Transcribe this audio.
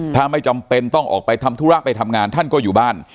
ถ้าไม่จำเป็นต้องออกไปทำธุระไปทำงานท่านก็อยู่บ้าน